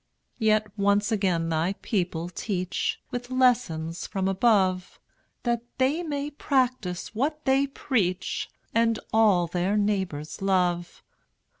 Yet once again thy people teach, With lessons from above, That they may practise what they preach, And all their neighbors love.